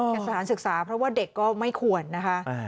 สถานศึกษาเพราะว่าเด็กก็ไม่ควรนะคะ